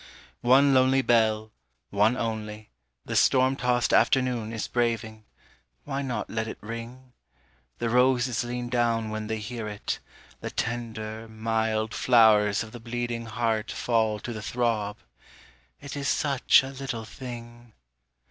_ One lonely bell, one only, the storm tossed afternoon is braving, Why not let it ring? The roses lean down when they hear it, the tender, mild Flowers of the bleeding heart fall to the throb _It is such a little thing!